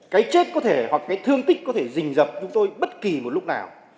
cái chết có thể hoặc cái thương tích có thể dình dập chúng tôi bất kỳ một lúc nào